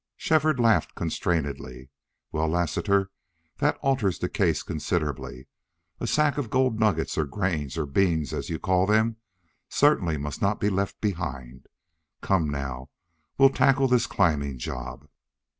Shefford laughed constrainedly. "Well, Lassiter, that alters the case considerably. A sack of gold nuggets or grains, or beans, as you call them, certainly must not be left behind.... Come, now, we'll tackle this climbing job."